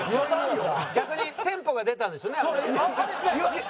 逆にテンポが出たんですよねあれで。